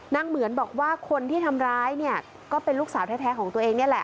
เหมือนบอกว่าคนที่ทำร้ายเนี่ยก็เป็นลูกสาวแท้ของตัวเองนี่แหละ